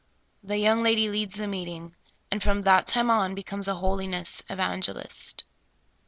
The young lady leads the meeting, and from that time on becomes a holiness evangelist.